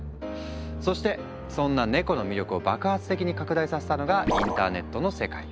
そしてそんなネコの魅力を爆発的に拡大させたのがインターネットの世界。